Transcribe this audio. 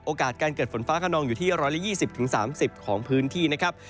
โอกาสเกิดฝนฟ้าขนองที่ประมาณ๑๒๐๓๐ของพื้นที่นะครับ